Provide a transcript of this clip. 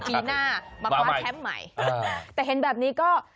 ปีหน้ามาคว้าแชมป์ใหม่แต่เห็นแบบนี้ก็